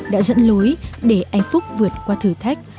đã dẫn lối để anh phúc vượt qua thử thách